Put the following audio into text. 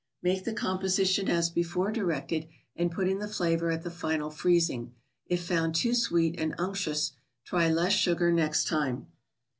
Make the composition as before directed, and put in the flavoring at the final freezing. If found too sweet and unctuous, try less sugar next time.